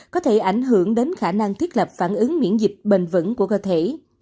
có thể ảnh hưởng đến khả năng thiết lập phản ứng miễn dịch bền vững của cơ thể